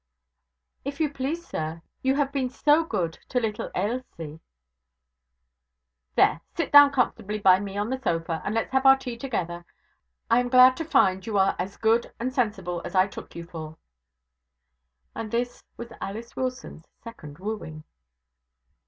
'If you please, sir you have been so good to little Ailsie ' 'There, sit down comfortably by me on the sofa, and let's have our tea together. I am glad to find you are as good and sensible as I took you for.' And this was Alice Wilson's second wooing.